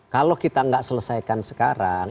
kalau kita nggak selesaikan sekarang